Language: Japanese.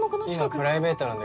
今プライベートなんで